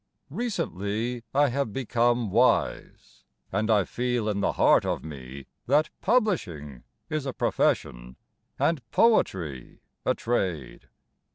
Recently I have become wise, And I feel in the heart of me That publishing is a profession And poetry a trade.